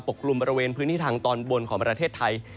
กลุ่มบริเวณพื้นที่ทางตอนบนของประเทศไทย